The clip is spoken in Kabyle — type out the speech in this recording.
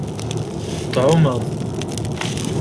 Tɛumeḍ.